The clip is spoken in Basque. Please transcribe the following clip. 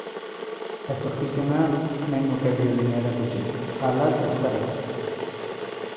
Etorkizunean, nahi nuke biolina erakutsi, ahalaz euskaraz.